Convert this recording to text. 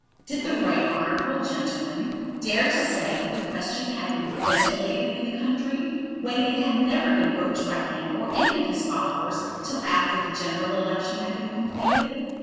Did the Right Honourable gentleman dare to say that the question had been ventilated in the country, when it had never been broached by him or any of his followers till after the general election had been completed?